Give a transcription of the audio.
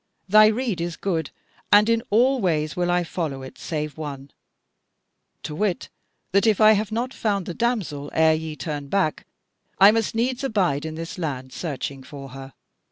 Thy rede is good, and in all ways will I follow it save one; to wit, that if I have not found the damsel ere ye turn back, I must needs abide in this land searching for her.